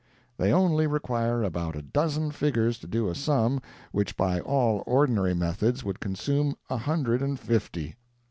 They only require about a dozen figures to do a sum which by all ordinary methods would consume a hundred and fifty.